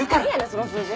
その数字。